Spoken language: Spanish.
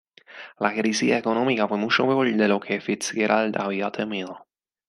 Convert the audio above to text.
La crisis económica fue mucho peor de lo que FitzGerald había temido.